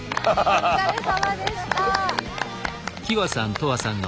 お疲れさまでした。